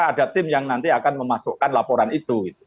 ada tim yang nanti akan memasukkan laporan itu